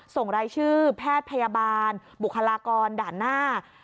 ส่งรายชื่อแพทย์พยาบาลบุคลากรด่านหน้า